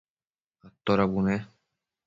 atoda bune?